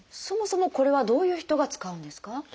そもそもこれはどういう人が使うんですか？